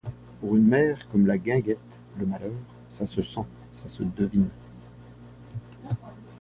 Pour une mère comme La Guinguette, le malheur, ça se sent, ça se devine.